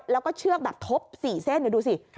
แล้วก็เชือกแบบทบ๔เส้นดูสิ